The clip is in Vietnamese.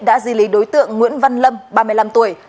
đã di lý đối tượng nguyễn văn lâm ba mươi năm tuổi